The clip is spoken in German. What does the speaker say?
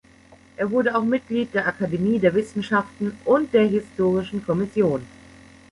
Er wurde auch Mitglied der Akademie der Wissenschaften und der Historischen Kommission.